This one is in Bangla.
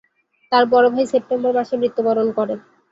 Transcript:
তার বড় ভাই সেপ্টেম্বর মাসে মৃত্যুবরণ করে।